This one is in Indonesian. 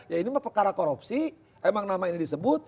ya ini mah pekara korupsi emang nama ini disebut